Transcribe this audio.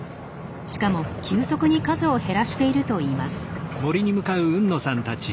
しかも急速に数を減らしているといいます。